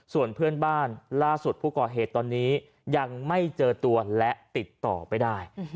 ส่วนเพื่อนบ้านล่าสุดผู้ก่อเหตุตอนนี้ยังไม่เจอตัวและติดต่อไม่ได้